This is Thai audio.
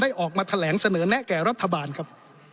ออกมาแถลงเสนอแนะแก่รัฐบาลครับ